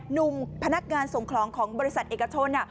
หนุ่มพนักงานส่งของของบริษัทเอกชน